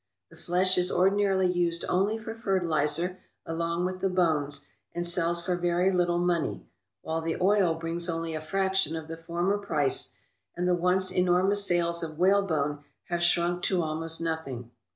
The flesh is ordinarily Used only for fertilizer, along with the bones, and sells for very little money, while the oil brings only a fraction of the former price, and the once enormous sales of whalebone have shrunk to almost nothing.